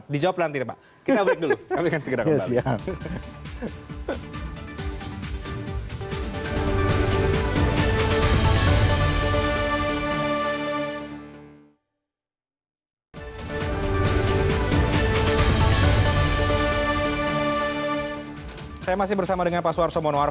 dijawab nanti pak kita break dulu